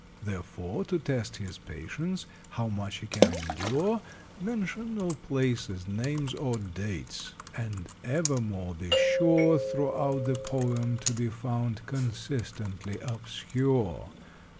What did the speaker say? "Therefore, to test his patience How much he can endure Mention no places, names, or dates, And evermore be sure Throughout the poem to be found Consistently obscure.